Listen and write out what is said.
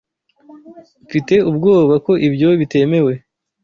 Mfite ubwoba ko ibyo bitemewe.